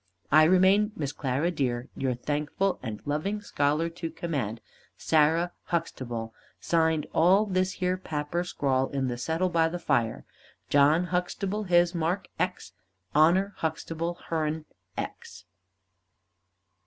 I remain, Miss Clara dear, your thankful and loving scholar to command, SARAH HUXTABLE. Signed all this here papper scrawl in the settle by the fire. JOHN HUXTABLE his mark X HONOR HUXTABLE hern X."